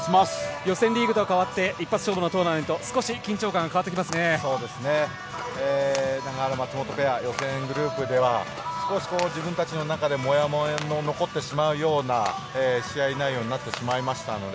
予選リーグと変わって一発勝負のトーナメント永原、松本ペア予選リーグで少し自分たちの中でモヤモヤが残ってしまうような試合内容になってしまいましたので